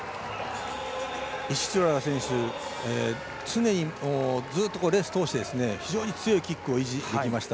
イシチュロワ選手常にずっとレースを通して強いキックを維持できました。